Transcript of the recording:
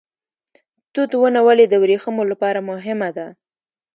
توت ونه ولې د وریښمو لپاره مهمه ده؟